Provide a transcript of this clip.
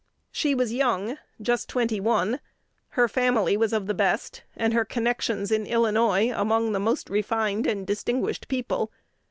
She was young, just twenty one, her family was of the best, and her connections in Illinois among the most refined and distinguished people.